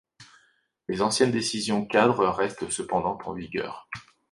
Les anciennes décisions-cadres restent cependant en vigueur.